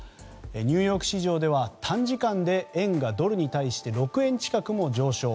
ニューヨーク市場では短時間で円がドルに対して６円近くも上昇。